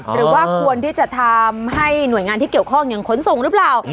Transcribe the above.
หรือว่าควรที่จะทำให้หน่วยงานที่เกี่ยวข้องอย่างขนส่งหรือเปล่า